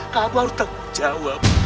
kamu harus tanggung jawab